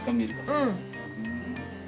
うん。